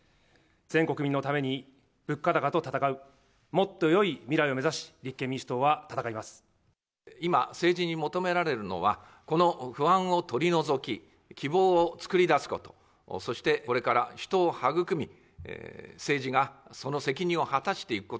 全国民のために、物価高と戦う、もっとよい未来を目指し、今、政治に求められるのは、この不安を取り除き、希望をつくり出すこと、そしてこれから人を育み、政治がその責任